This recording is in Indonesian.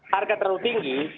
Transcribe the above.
harga terlalu tinggi